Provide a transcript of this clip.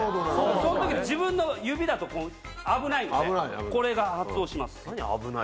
その時自分の指だと危ないんでこれが発動します。